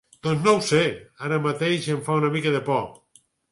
Doncs no ho sé, ara mateix em fa una mica de por.